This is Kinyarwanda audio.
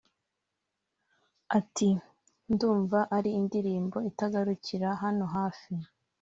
Ati “ Ndumva ari indirimbo itagarukira hano hafi